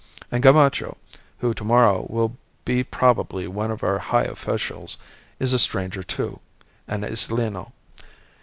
And Gamacho, who to morrow will be probably one of our high officials, is a stranger, too an Isleno.